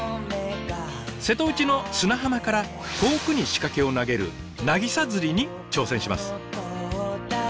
瀬戸内の砂浜から遠くに仕掛けを投げる渚釣りに挑戦します。